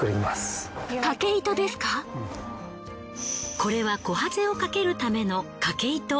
これはこはぜを掛けるためのかけ糸。